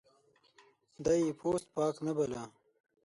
دی پوست پاک نه باله.